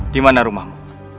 di mana rumahmu